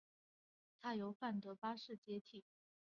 他由德范八世接替。